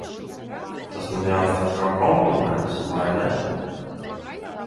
Tas man jāuztver kā kompliments, vai ne?